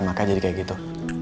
makanya jadi kayak gitu